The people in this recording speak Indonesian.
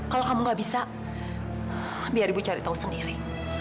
kalau kamu gak bisa biar ibu cari tahu sendiri